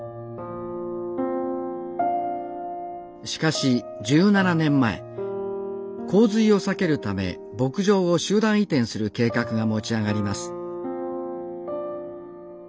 しかし１７年前洪水を避けるため牧場を集団移転する計画が持ち上がります。